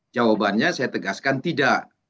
jawabannya saya tegaskan tidak